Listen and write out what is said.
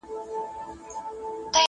زرین لوښي یې کتار کړل غلامانو.!